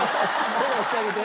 フォローしてあげて。